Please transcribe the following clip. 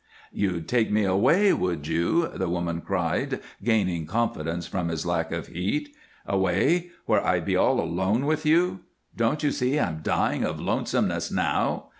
"You'd take me away, would you?" the woman cried, gaining confidence from his lack of heat. "Away, where I'd be all alone with you? Don't you see I'm dying of lonesomeness now?